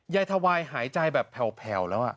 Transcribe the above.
ทวายหายใจแบบแผ่วแล้ว